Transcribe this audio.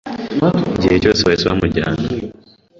Igihe cyose bahise bamujyana